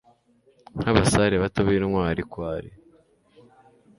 nka basare bato b'intwari ko ari